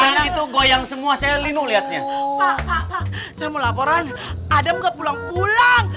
enak itu goyang semua saya lindung lihatnya pak saya mau laporan ada pulang pulang